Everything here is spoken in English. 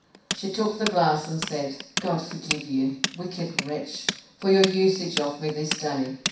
She took the glass, and said, God forgive you, wicked wretch, for your usage of me this day!